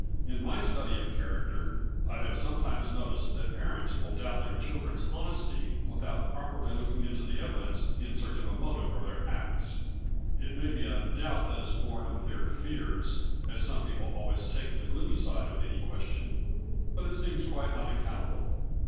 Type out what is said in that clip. In my study of character I have sometimes noticed that parent? will doubt their children's honesty, without properly looking into the evidence in search of a motive for their acts. It may be a doubt that is born of their fears, as some people always take the gloomy side of any question, but it seems quite unac countable.